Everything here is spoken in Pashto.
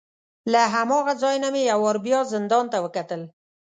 له هماغه ځای نه مې یو وار بیا زندان ته وکتل.